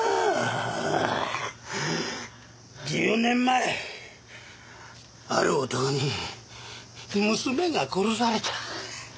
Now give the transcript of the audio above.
１０年前ある男に娘が殺された。